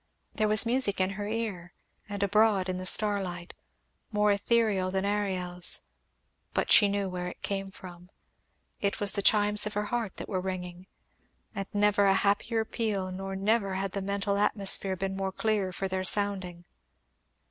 There was music in her ear, and abroad in the star light, more ethereal than Ariel's, but she knew where it came from; it was the chimes of her heart that were ringing; and never a happier peal, nor never had the mental atmosphere been more clear for their sounding.